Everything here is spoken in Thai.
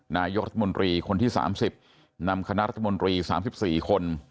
นายกรัฐมนตรีคนที่๓๐นำคณะรัฐมนตรี๓๔คน